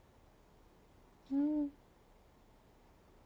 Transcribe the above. うん。